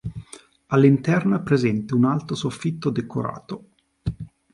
All'interno è presente un alto soffitto decorato.